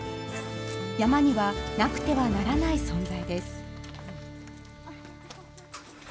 山にはなくてはならない存在です。